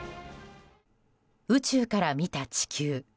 宇宙から見た地球。